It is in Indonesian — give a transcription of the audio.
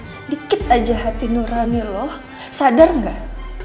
sedikit aja hati nurani lo sadar gak